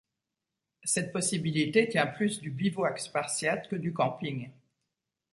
Cette possibilité tient plus du bivouac spartiate que du camping.